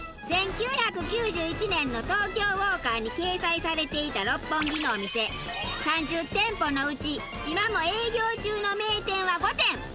１９９１年の『東京ウォーカー』に掲載されていた六本木のお店３０店舗のうち今も営業中の名店は５店。